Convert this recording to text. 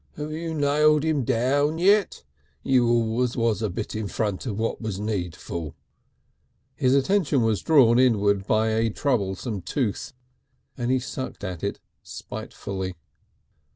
Have you nailed him down yet? You always was a bit in front of what was needful." His attention was drawn inward by a troublesome tooth, and he sucked at it spitefully.